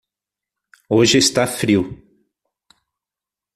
Hoje está frio